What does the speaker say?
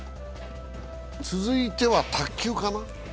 続いては卓球かな。